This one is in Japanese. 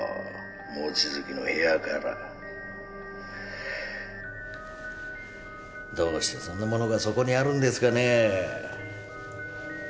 望月の部屋からどうしてそんなものがそこにあるんですかね？